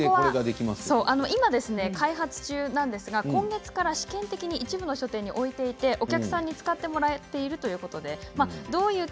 開発中なんですけれど今月から一部の書店で置いておいてお客さんに使ってもらっているということです。